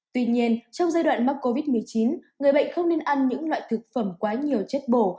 tuy nhiên trong giai đoạn mắc covid một mươi chín người bệnh không nên ăn những loại thực phẩm quá nhiều chất bồ